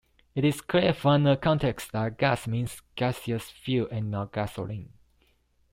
It is clear from the context that "gas" means gaseous fuel and not gasoline.